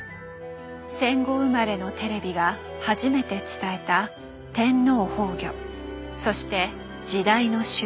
戦後生まれのテレビが初めて伝えた「天皇崩御」そして「時代の終焉」。